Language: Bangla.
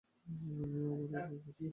এবং আমি আবার একাজ করব।